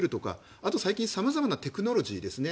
あと最近様々なテクノロジーですね